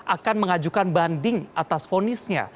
akan mengajukan banding atas vonisnya